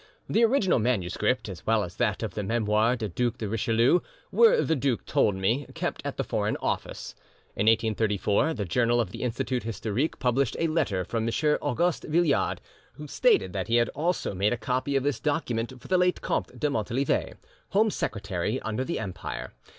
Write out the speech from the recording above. The original MS., as well as that of the Memoires du Duc de Richelieu, were, the duke told me, kept at the Foreign Office. In 1834 the journal of the Institut historique published a letter from M. Auguste Billiard, who stated that he had also made a copy of this document for the late Comte de Montalivet, Home Secretary under the Empire.